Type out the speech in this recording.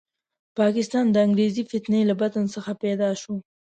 پاکستان د انګریزي فتنې له بطن څخه پیدا شو.